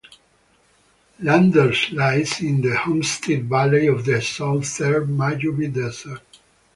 Landers lies in the Homestead Valley of the southeastern Mojave Desert.